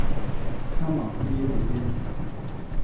Hama i yé béñél.